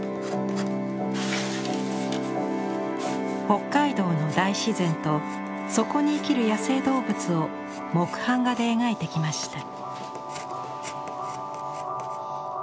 北海道の大自然とそこに生きる野生動物を木版画で描いてきました。